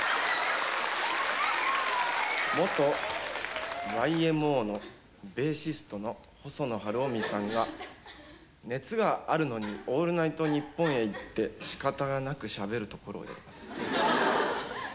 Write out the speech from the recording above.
元ＹＭＯのベーシストの細野晴臣さんが熱があるのに「オールナイトニッポン」へ行ってしかたがなくしゃべるところをやります。